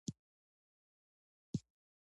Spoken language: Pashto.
د نیالګیو ترمنځ فاصله ولې مهمه ده؟